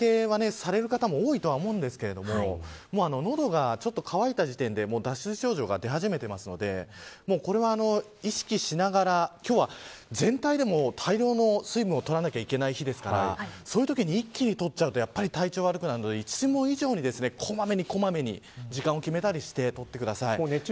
今日、お出掛けはされる方も多いとは思うんですけれども喉がちょっと乾いた時点で脱水症状が出始めていますのでこれは意識しながら今日は全体でも大量の水分を取らないといけない日ですからそういうときに、一気に取っちゃうと体調が悪くなるのでいつも以上に、小まめに小まめに時間を決めたりして取ってください。